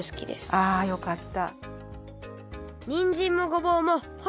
あよかった。